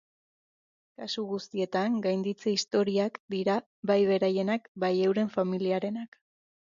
Kasu guztietan gainditze historiak dira, bai beraienak, bai euren familiarenak.